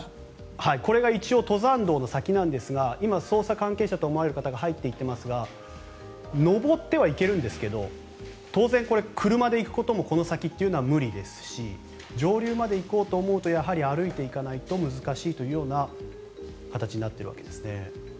これが一応、登山道の先なんですが今、捜査関係者と思われる方が入っていますが上ってはいけるんですけど当然、車で行くというのもこの先というのは無理ですし上流まで行こうと思うとやはり歩いて行かないと難しいというような形になっているわけですね。